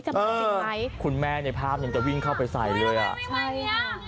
จริงไหมคุณแม่ในภาพยังจะวิ่งเข้าไปใส่เลยอ่ะทำไมอ่ะ